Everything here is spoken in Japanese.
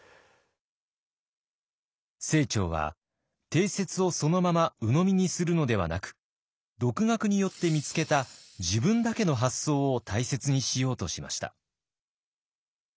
清張は定説をそのままうのみにするのではなく独学によって見つけた自分だけの発想を大切にしようとしました。